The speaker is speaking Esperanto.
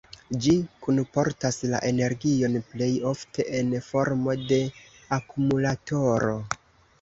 Ĝi kunportas la energion plej ofte en formo de akumulatoro.